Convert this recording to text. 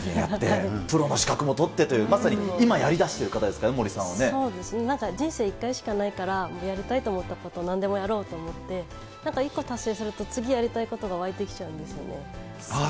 プロの資格も取ってという、まさに今やり出してる方ですからそうですね、なんか人生一回しかないから、やりたいと思ったことをなんでもやろうと思って、なんか一個達成すると、次やりたいことが湧いてきちゃうんですよ